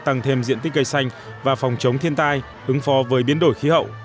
tăng thêm diện tích cây xanh và phòng chống thiên tai ứng phó với biến đổi khí hậu